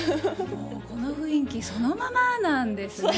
この雰囲気そのままなんですね。